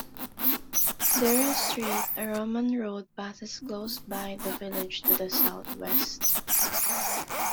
Dere Street, a Roman road passes close by the village to the southwest.